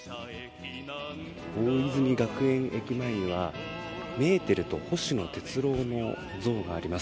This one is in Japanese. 大泉学園駅前にはメーテルと星野鉄郎の像があります。